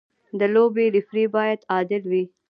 د لوبې ریفري باید عادل وي.